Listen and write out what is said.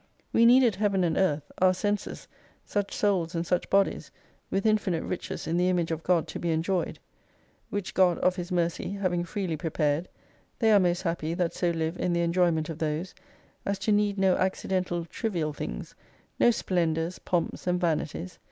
We needed Heaven and Earth, our senses, such souls and such bodies, with infinite riches in the Image of God to be enjoyed : Which God of His mercy having freely prepared, they are most happy that so live in the enjoyment of those, as to need no accidental trivial things, no Splendours, Pomps, and Vanities.